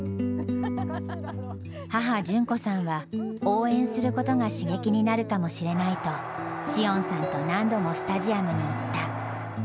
母・淳子さんは、応援することが刺激になるかもしれないと詩音さんと何度もスタジアムに行った。